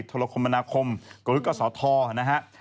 ธรรมนาคมหรือกระสอบทธนะครับ